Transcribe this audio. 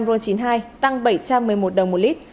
xăng ron chín mươi hai tăng bảy trăm một mươi một đồng một lít